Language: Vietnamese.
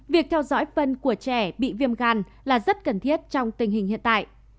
việc theo dõi phân của trẻ bị viêm gan là rất cần thiết trong tình hình hiện tại